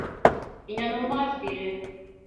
İnanılmaz biri.